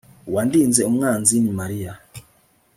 uwandinze umwanzi ni mariya